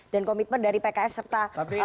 dan komitmen dari pks serta